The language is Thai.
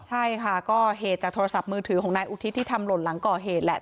ใช่ค่ะก็เหตุจากโทรศัพท์มือถือของนายอุทิศที่ทำหล่นหลังก่อเหตุแหละ